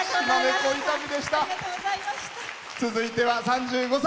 続いては３５歳。